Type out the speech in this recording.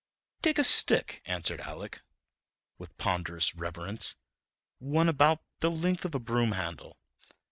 "Take a stick" answered Alec, with ponderous reverence, "one about the length of a broom handle.